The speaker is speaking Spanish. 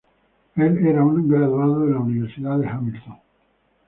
Él era un graduado de la universidad de Hamilton.